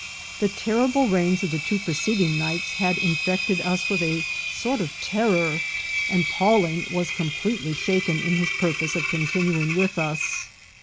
The terrible rains of the two preceding nights had in fected us with a sort of terror, and Pawling was com pletely shaken in his purpose of continuing with us.